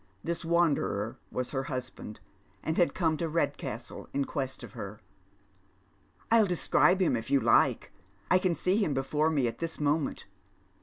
This wanderer was her husband, who had come to Kedcastle in quest of her. " I'll describe him if you like. I can see him before me at tins moment.